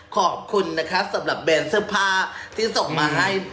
ขอบคุณนะคะสำหรับแบรนด์เสื้อผ้าที่ส่งมาให้